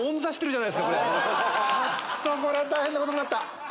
大変なことになった！